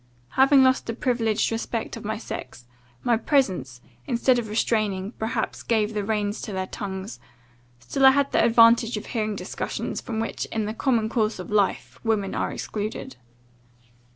Having lost the privileged respect of my sex, my presence, instead of restraining, perhaps gave the reins to their tongues; still I had the advantage of hearing discussions, from which, in the common course of life, women are excluded.